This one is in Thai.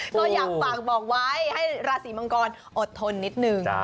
ก็อยากฝากบอกไว้ให้ราศีมังกรอดทนนิดนึง